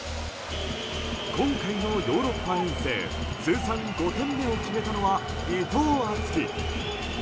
今回のヨーロッパ遠征通算５点目を決めたのは伊藤敦樹。